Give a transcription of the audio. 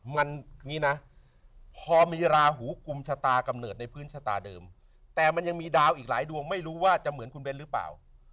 มันอย่างนี้นะพอมีราหูกุมชะตากำเนิดในพื้นชะตาเดิมแต่มันยังมีดาวอีกหลายดวงไม่รู้ว่าจะเหมือนคุณเบ้นหรือเปล่า